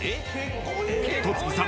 ［戸次さん